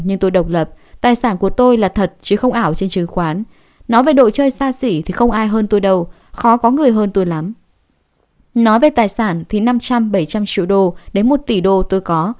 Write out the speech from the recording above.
nói về tài sản thì năm trăm linh bảy trăm linh triệu đô đến một tỷ đô tôi có